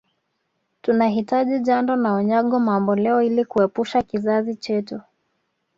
Tunahitaji Jando na Unyago mamboleo Ili kuepusha kizazi chetu